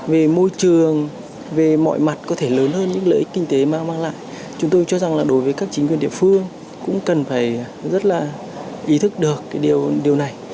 về môi trường về mọi mặt có thể lớn hơn những lợi ích kinh tế mà mang lại chúng tôi cho rằng là đối với các chính quyền địa phương cũng cần phải rất là ý thức được điều này